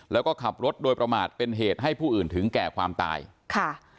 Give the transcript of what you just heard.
แล้วก็ขับรถโดยประมาทเป็นเหตุให้ผู้อื่นถึงแก่ความตายค่ะ